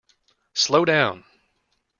Slow down!